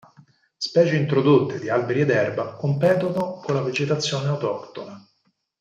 Specie introdotte di alberi ed erba competono con la vegetazione autoctona.